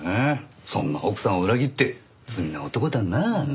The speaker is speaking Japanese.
そんな奥さんを裏切って罪な男だな。